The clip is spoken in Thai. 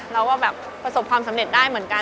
เราก็แบบประสบความสำเร็จได้เหมือนกัน